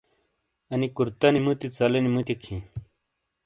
انی کُرتنی مُتی ژلینی مُتیک ہِیں۔